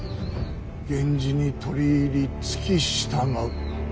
源氏に取り入り付き従う。